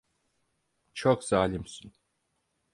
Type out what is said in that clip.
Çok zalimsin.